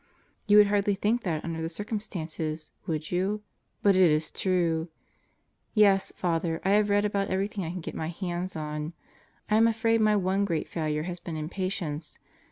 You would hardly think that under the circumstances, would you? But is is true. Yes, Father, I have read about everything I could get my hands on. I am afraid my one great failure has been impatience.